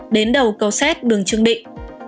đến đầu cầu xét đường trương định